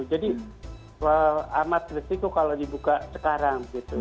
jadi amat risiko kalau dibuka sekarang